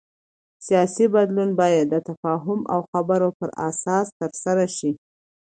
سیاسي بدلون باید د تفاهم او خبرو پر اساس ترسره شي